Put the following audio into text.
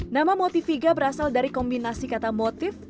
nama motiviga berasal dari kombinasi kata motif